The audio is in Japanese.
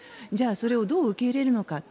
じゃあそれをどう受け入れるのか。